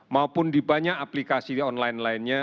maupun di banyak aplikasi di online lainnya